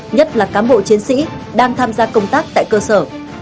nhất là cám bộ chiến sĩ đang tham gia công tác tại cơ sở